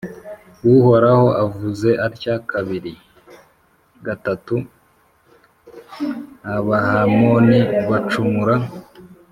Uhoraho avuze atya Kabiri gatatu Abahamoni bacumura !